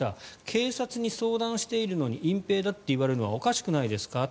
警察に相談しているのに隠ぺいだといわれるのはおかしくないですか。